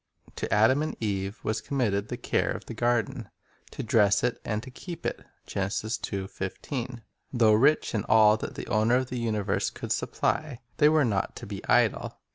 To Adam and Eve was committed the care of the garden, "to dress it and to keep it." 3 Though rich in all that the Owner of the universe could supply, they were not to be idle.